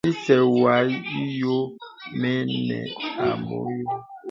Yɔ̄m isɛ̂ wɔ ìyɔ̄ɔ̄ mə i bɔŋ yɔ̄.